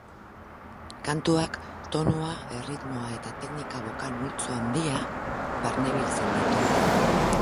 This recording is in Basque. Kantuak tonua, erritmoa eta teknika-bokal multzo handia barnebiltzen ditu.